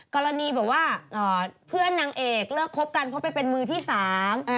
กรณีบอกว่าเอ่อเพื่อนนางเอกเลิกคบกันเพราะไปเป็นมือที่สาม